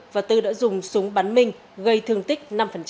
và tư đã dùng súng bắn minh gây thương tích năm